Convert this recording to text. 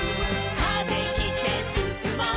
「風切ってすすもう」